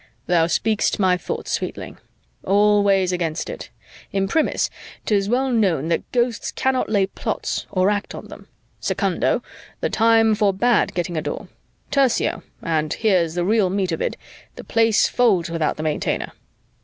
"Thou speakst my thoughts, sweetling. All weighs against it: Imprimis, 'tis well known that Ghosts cannot lay plots or act on them. Secundo, the time forbade getting a Door. Tercio and here's the real meat of it the Place folds without the Maintainer.